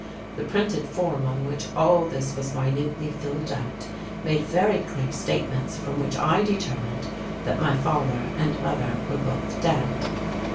The printed form on which all this was minutely filled out made very clear statements from which I determined that my father and mother were both dead.